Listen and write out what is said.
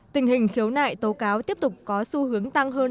tình hình khiếu nại tố cáo tiếp tục có xu hướng tăng hơn